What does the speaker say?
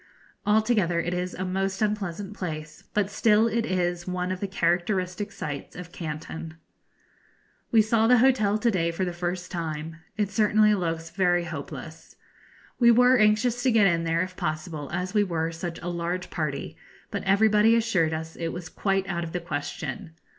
Altogether it is a most unpleasant place, but still it is one of the characteristic sights of Canton. We saw the hotel to day for the first time. It certainly looks very hopeless. We were anxious to get in there if possible, as we were such a large party, but everybody assured us it was quite out of the question.